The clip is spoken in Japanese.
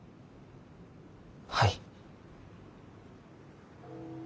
はい。